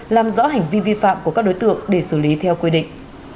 làm rõ hành vi vi phạm của các đối tượng để xử lý theo quy định